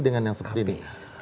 dengan yang seperti ini